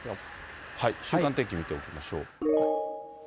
週間天気見ていきましょう。